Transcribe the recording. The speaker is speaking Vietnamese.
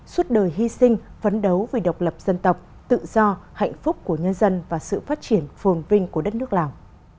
suốt đời hy sinh vấn đấu vì độc lập dân tộc tự do hạnh phúc của nhân dân và sự phát triển phồn vinh của đất nước lào